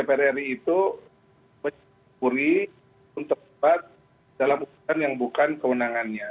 sepertinya dpr ri itu mencuri untuk tempat dalam keputusan yang bukan kewenangannya